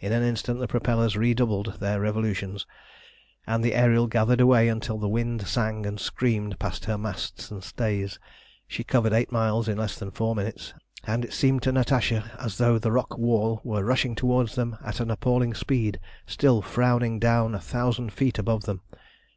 In an instant the propellers redoubled their revolutions, and the Ariel gathered way until the wind sang and screamed past her masts and stays. She covered eight miles in less than four minutes, and it seemed to Natasha as though the rock wall were rushing towards them at an appalling speed, still frowning down a thousand feet above them.